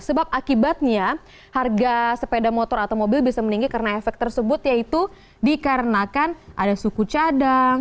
sebab akibatnya harga sepeda motor atau mobil bisa meninggi karena efek tersebut yaitu dikarenakan ada suku cadang